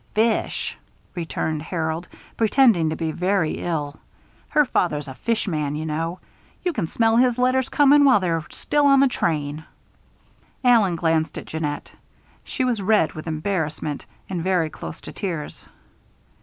"Fish," returned Harold, pretending to be very ill. "Her father's a fishman, you know. You can smell his letters coming while they're still on the train." Allen glanced at Jeannette. She was red with embarrassment and very close to tears.